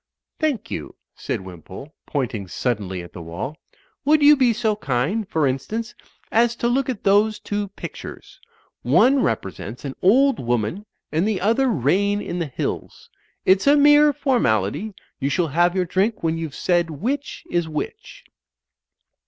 "Thank you," said Wimpole, pointing suddenly at the wall. "Would you be so kind, for instance, as to look at those two pictures. One represents an old woman and the other rain in the hills. It's a mere formality. You shall have your drink when you've said which is which."